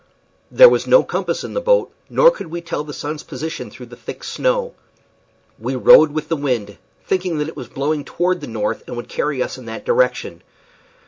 There was no compass in the boat, nor could we tell the sun's position through the thick snow. We rowed with the wind, thinking that it was blowing toward the north, and would carry us in that direction.